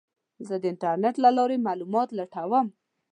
زه د انټرنیټ له لارې معلومات لټوم.